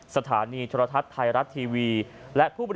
ประธานเจ้าหน้าที่บริหารธุรกิจ